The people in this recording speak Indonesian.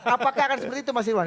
apakah akan seperti itu mas iwan